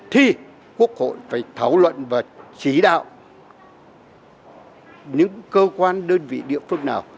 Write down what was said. thì quốc hội phải thảo luận và chỉ đạo những cơ quan đơn vị địa phương nào